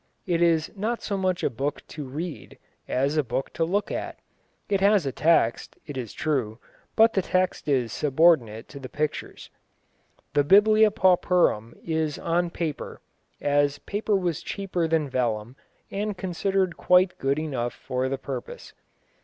It is not so much a book to read, as a book to look at. It has a text, it is true, but the text is subordinate to the pictures. The Biblia Pauperum is on paper, as paper was cheaper than vellum and considered quite good enough for the purpose.